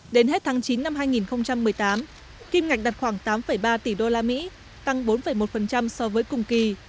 đến hết tháng chín năm hai nghìn một mươi tám kim ngạch đạt khoảng tám ba tỷ usd tăng bốn một so với cùng kỳ